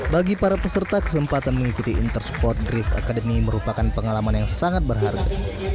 bagi para peserta kesempatan mengikuti intersport drift academy merupakan pengalaman yang sangat berharga